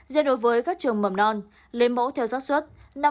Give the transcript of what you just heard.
do đối với các trường mầm non lấy mẫu theo sát xuất năm